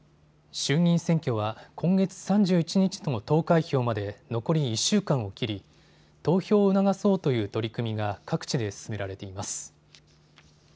衆議院選挙は今月３１日の投開票まで残り１週間を切り投票を促そうという取り組みが各地で進められています。